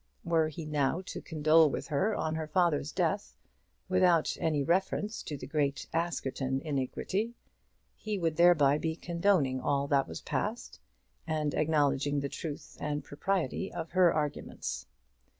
Were he now to condole with her on her father's death, without any reference to the great Askerton iniquity, he would thereby be condoning all that was past, and acknowledging the truth and propriety of her arguments.